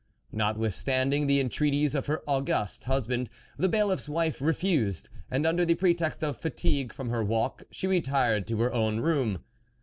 Notwithstanding the entreaties of her august husband, the Bailiffs wife refused, and under the pre text of fatigue from her walk, she retired to her own room.